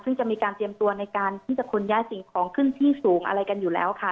ซึ่งจะมีการเตรียมตัวในการที่จะขนย้ายสิ่งของขึ้นที่สูงอะไรกันอยู่แล้วค่ะ